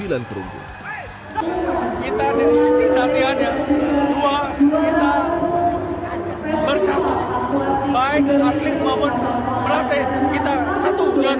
baik atlet maupun pelatih kita satu pelatih pun